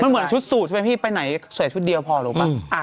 มันเหมือนชุดสูตรใช่ไหมพี่ไปไหนใส่ชุดเดียวพอรู้ป่ะ